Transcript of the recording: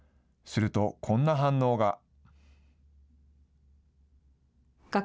するとこんな反応が。